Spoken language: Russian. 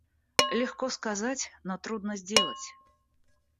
Легко сказать, но трудно сделать.